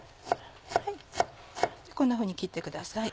こんなふうに切ってください。